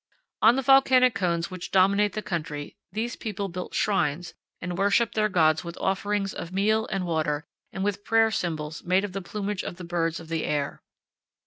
On the volcanic cones which dominate the country these people built shrines and worshiped their gods with offerings of meal and water and with prayer symbols made of the plumage of the birds of the air.